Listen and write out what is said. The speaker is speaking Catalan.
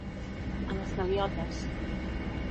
A les galiotes.